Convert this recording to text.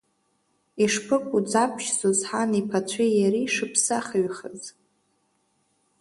Ишԥыкәу Ӡаԥшь Зосҳан иԥацәеи иареи шыԥсахыҩхаз.